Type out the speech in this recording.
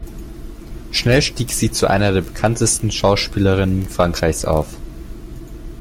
Schnell stieg sie zu einer der bekanntesten Schauspielerinnen Frankreichs auf.